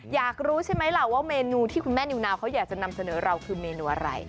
อยากรู้ใช่ไหมล่ะว่าเมนูที่คุณแม่นิวนาวเขาอยากจะนำเสนอเราคือเมนูอะไร